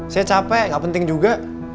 saya capek gak penting juga